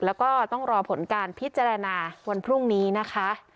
แล้วก็ต้องรอผลการพิจารณาวันพรุ่งนี้นะคะ